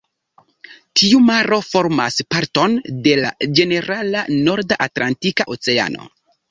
Tiu maro formas parton de la ĝenerala norda Atlantika Oceano.